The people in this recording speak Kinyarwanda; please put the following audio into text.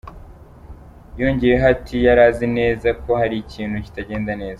Yongeyeho ati “Yari azi neza ko hari ikintu kitagendaga neza.